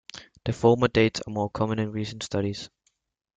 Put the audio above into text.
The former dates are more common in recent studies.